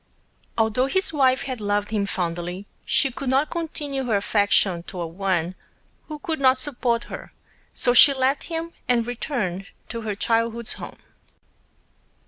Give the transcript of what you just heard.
Although his Wife had loved him Fondly, she could not Continue her affection toward One who could not Support her, so she left him and Returned to her Childhood's Home.